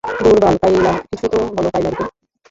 ধুরবাল কাইলা কিছু তো বলো কাইলা রিকি?